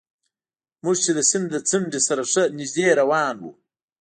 موږ چې د سیند له څنډې سره ښه نژدې روان وو.